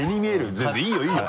全然いいよいいよ。